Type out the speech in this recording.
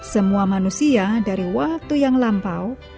semua manusia dari waktu yang lampau